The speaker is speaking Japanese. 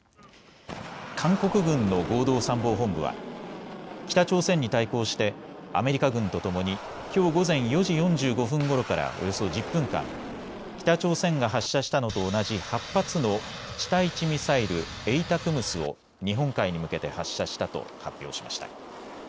韓国軍の合同参謀本部は北朝鮮に対抗してアメリカ軍とともにきょう午前４時４５分ごろからおよそ１０分間、北朝鮮が発射したのと同じ８発の地対地ミサイルＡＴＡＣＭＳを日本海に向けて発射したと発表しました。